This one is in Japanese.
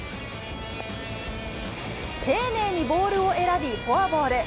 丁寧にボールを選び、フォアボール。